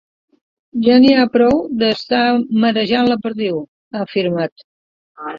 Ja n’hi ha prou d’estar marejant la perdiu, ha afirmat.